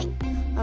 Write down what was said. あ。